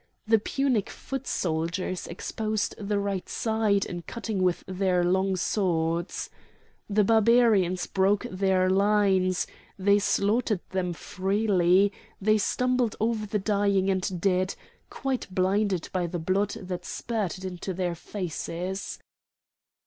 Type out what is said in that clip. The Punic foot soldiers exposed the right side in cutting with their long swords. The Barbarians broke their lines; they slaughtered them freely; they stumbled over the dying and dead, quite blinded by the blood that spurted into their faces.